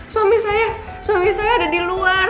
suami saya suami saya ada di luar